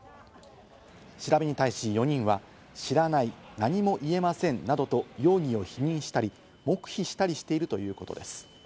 調べに対し、４人は知らない、何も言えませんなどと容疑を否認したり、黙秘したりしているということです。